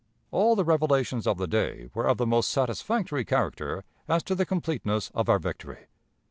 All the revelations of the day were of the most satisfactory character as to the completeness of our victory.